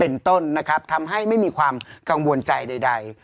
เป็นต้นนะครับทำให้ไม่มีความกังวลใจใด